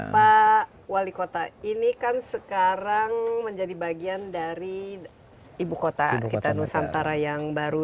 pak wali kota ini kan sekarang menjadi bagian dari ibu kota kita nusantara yang baru